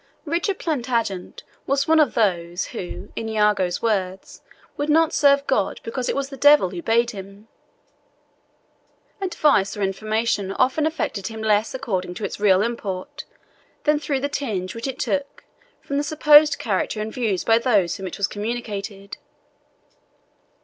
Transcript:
Richard Plantagenet was one of those who, in Iago's words, would not serve God because it was the devil who bade him; advice or information often affected him less according to its real import, than through the tinge which it took from the supposed character and views of those by whom it was communicated.